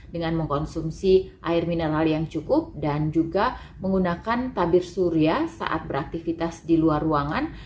dengan mengkonsumsi air mineral yang cukup dan juga menggunakan tabir surya saat beraktivitas di luar ruangan